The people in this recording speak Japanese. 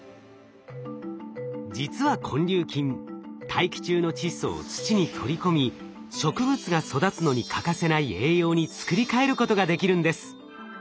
実は根粒菌大気中の窒素を土に取り込み植物が育つのに欠かせない栄養に作り変えることができるんです。